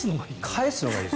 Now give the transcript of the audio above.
返すのがいい。